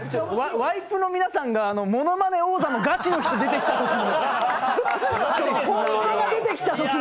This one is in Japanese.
ワイプの皆さんがモノマネ王座でガチの人、出てきたときの。